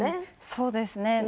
そうですね。